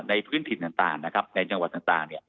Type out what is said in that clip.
ในพื้นถิ่นต่างในจังหวัดต่าง